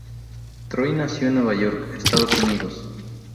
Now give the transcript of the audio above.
Troy nació en Nueva York, Estados Unidos.